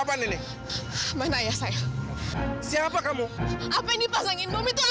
ayah tak boleh mati